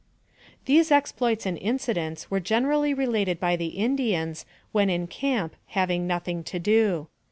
These exploits and incidents are generally related by the Indians, when in camp having nothing to do.